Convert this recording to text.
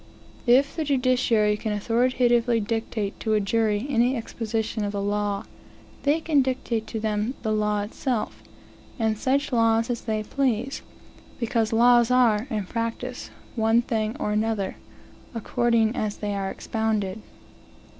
If the judiciary can authoritatively dictate to a jury any exposition of the law, they can dictate to them the law itself, and such laws as they please; because laws are, in practice, one thing or another, according as they are expounded.